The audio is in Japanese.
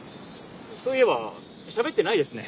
そういえばしゃべってないですね。